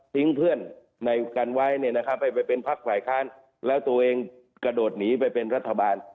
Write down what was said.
ทิ้งเพื่อนในการไว้ไปเป็นพักฝ่ายค้านและตัวเองกระโดดหนีไปเป็นรัฐบาล